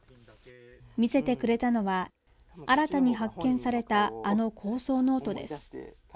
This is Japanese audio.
見せてくれたのは新たに発見されたあの構想ノートです